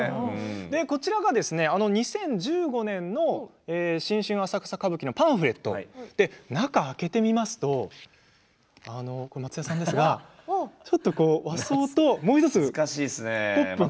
こちらが２０１５年の「新春浅草歌舞伎」のパンフレット、中を開けてみますと松也さんですがちょっと和装ともう１つポップな。